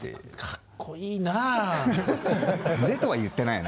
かっこいいなあ。